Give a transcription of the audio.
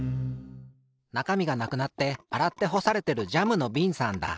なかみがなくなってあらってほされてるジャムのびんさんだ。